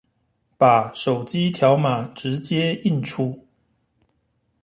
把手機條碼直接印出